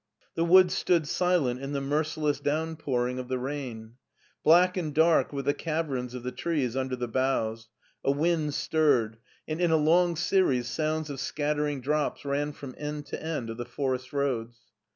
The woods stood silent in the merciless downpouring of the rain. Black and dark were the caverns of the trees under the boughs ; a wind stirred, and in a long series sounds of scattering drops ran from end to end of the forest roads.